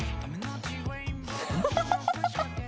ハハハハ！